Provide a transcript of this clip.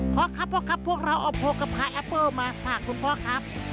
พ่อครับพ่อครับพวกเราเอาโพลกับคายแอปเปิ้ลมาฝากคุณพ่อครับ